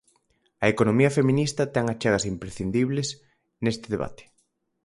A economía feminista ten achegas imprescindibles neste debate.